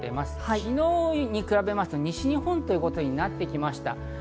昨日に比べると西日本ということになってきました。